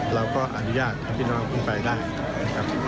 เราก็อนุญาตให้พี่น้องขึ้นไปได้นะครับ